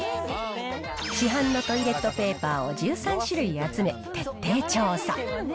市販のトイレットペーパーを１３種類集め、徹底調査。